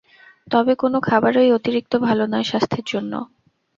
তবে কোনো খাবারই অতিরিক্ত ভালো নয় স্বাস্থ্যের জন্য।